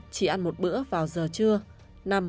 bốn chỉ ăn một bữa vào giờ trưa